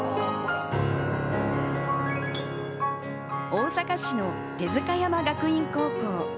大阪市の帝塚山学院高校。